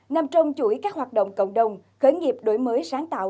nằm trong chuỗi các hoạt động cộng đồng khởi nghiệp đổi mới sáng tạo